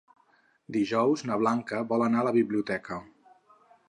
Dijous na Blanca vol anar a la biblioteca.